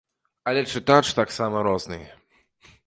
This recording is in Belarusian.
Але чытач таксама розны.